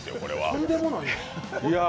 とんでもないな。